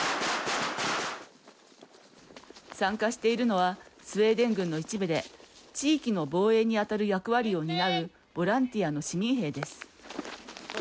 参加しているのはスウェーデン軍の一部で地域の防衛に当たる役割を担うボランティアの市民兵です。